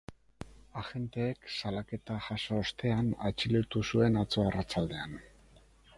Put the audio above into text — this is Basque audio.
Agenteek salaketa jaso ostean, atxilotu zuen atzo arratsaldean.